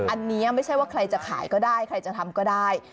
อันนี้ไม่ใช่ว่าใครจะขายก็ได้ใครจะทำก็ได้